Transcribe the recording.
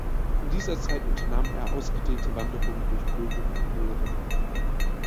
In dieser Zeit unternahm er ausgedehnte Wanderungen durch Böhmen und Mähren.